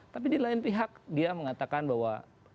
tapi di lain pihak dia mengatakan bahwa